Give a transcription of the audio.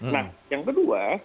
nah yang kedua